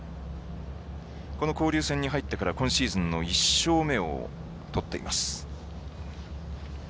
この交流戦に入ってから今シーズンの１勝目を取っています。